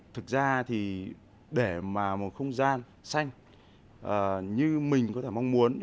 thực ra thì để mà một không gian xanh như mình có thể mong muốn